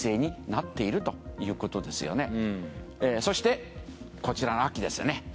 そしてこちらの秋ですね。